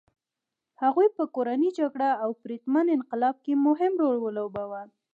هغوی په کورنۍ جګړه او پرتمین انقلاب کې مهم رول ولوباوه.